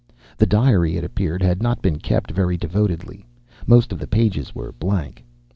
The diary, it appeared, had not been kept very devotedly. Most of the pages were blank.